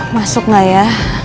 masuk gak ya